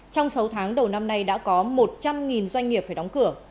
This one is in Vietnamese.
trong sáu tháng đầu năm nay đã có một trăm linh doanh nghiệp phải đóng cửa